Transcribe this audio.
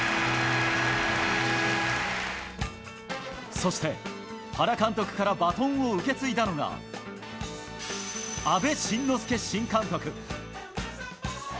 そして、原監督からバトンを受け継いだのが、阿部慎之助新監督。